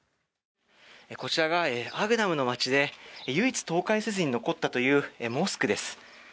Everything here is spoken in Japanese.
こちらがアグダムの街で唯一倒壊せずに残ったというモスクです。